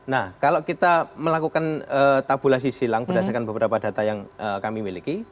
nah kalau kita melakukan tabulasi silang berdasarkan beberapa data yang kami miliki